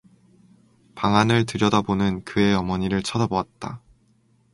방 안을 들여다보는 그의 어머니를 쳐다보았다.